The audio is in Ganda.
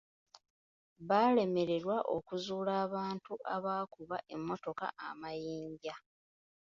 Baalemererwa okuzuula abantu abaakuba emmotoka amayinja.